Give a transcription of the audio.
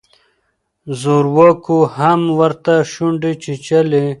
زورواکو هم ورته شونډې چیچلې.